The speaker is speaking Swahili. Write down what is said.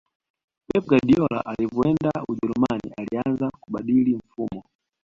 pep guardiola alivyoenda ujerumani alianza kubadili mfumo